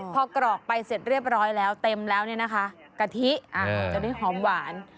พอกรอกไปเสร็จเรียบร้อยแล้วเต็มแล้วเนี่ยนะคะกะทิจะได้หอมหวาน